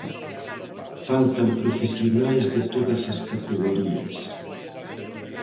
Faltan profesionais de todas as categorías.